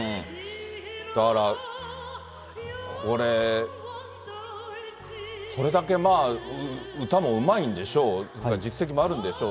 だからこれ、それだけまあ、歌もうまいんでしょう、実績もあるんでしょう。